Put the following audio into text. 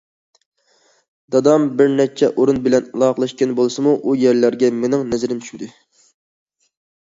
دادام بىر نەچچە ئورۇن بىلەن ئالاقىلەشكەن بولسىمۇ، ئۇ يەرلەرگە مېنىڭ نەزىرىم چۈشمىدى.